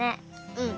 うん。